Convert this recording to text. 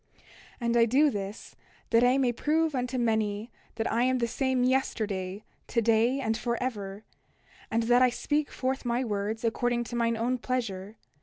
29:9 And I do this that I may prove unto many that I am the same yesterday, today, and forever; and that I speak forth my words according to mine own pleasure.